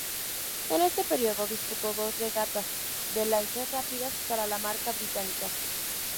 En este período, disputó dos regatas de lanchas rápidas para la marca británica.